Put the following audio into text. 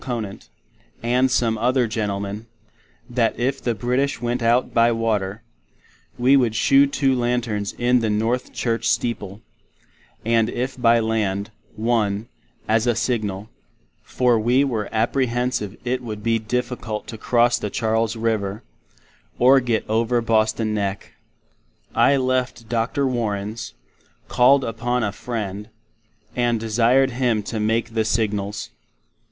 Conant, and some other Gentlemen, that if the British went out by Water, we would shew two Lanthorns in the North Church Steeple; and if by Land, one, as a Signal; for we were aprehensive it would be dificult to Cross the Charles River, or git over Boston neck. I left Dr. Warrens, called upon a friend, and desired him to make the Signals.